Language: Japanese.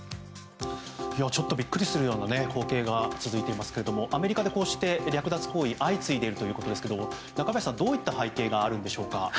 ちょっとビックリするような光景が続いていますがアメリカでこうした略奪行為相次いでいるということですが中林さん、どういった背景があるんでしょうか？